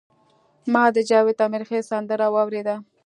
ما د جاوید امیرخیل سندره واوریده.